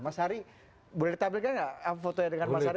mas ari boleh ditabrikkan nggak fotonya dengan mas ari